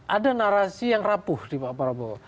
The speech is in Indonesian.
ada narasi yang rapuh di pak prabowo